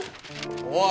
おい。